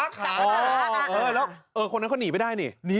คนเล่น้านี่ไปได้